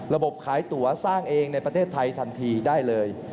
ระบบขายตั๋วสร้างเองในประเทศไทยทันทีได้เลย